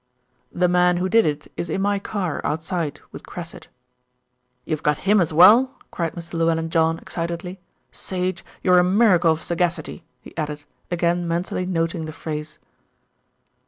"The man who did it is in my car outside with Cressit." "You've got him as well?" cried Mr. Llewellyn John excitedly. "Sage, you're a miracle of sagacity," he added, again mentally noting the phrase.